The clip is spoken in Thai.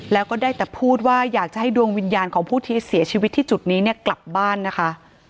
แล้วก็ได้แต่พูดว่าอยากจะให้ดวงวิญญาณของผู้ที่เสียชีวิตที่จุดนี้เนี่ยกลับบ้านนะคะ